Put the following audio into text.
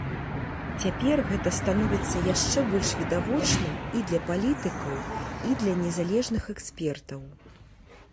Цяпер гэта становіцца яшчэ больш відавочным і для палітыкаў, і для незалежных экспертаў.